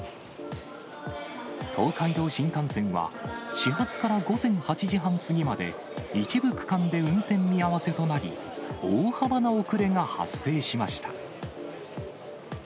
東海道新幹線は、始発から午前８時半過ぎまで、一部区間で運転見合わせとなり、大幅な遅れが発生しました。